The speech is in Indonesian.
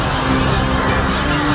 aku tidak percaya